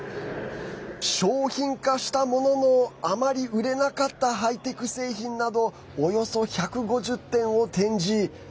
商品化したもののあまり売れなかったハイテク製品などおよそ１５０点を展示。